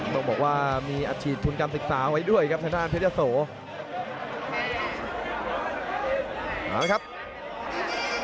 ต้องบอกว่ามีอาชีพทุนกรรมศึกษาไว้ด้วยครับชนะอาทิตยาโส